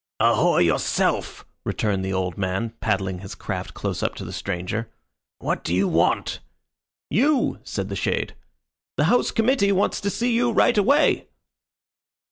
"Ahoy yourself!" returned the old man, paddling his craft close up to the stranger. "What do you want?" "You," said the shade. "The house committee want to see you right away."